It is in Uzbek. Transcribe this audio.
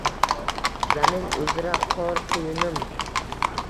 Zamin uzra qor quyunin